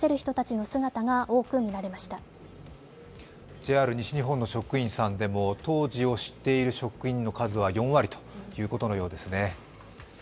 ＪＲ西日本の職員さんでも当時の事故を知っている方は４割ということのようですね。